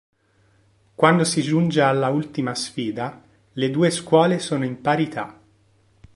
Quando si giunge alla ultima sfida, le due scuole sono in parità.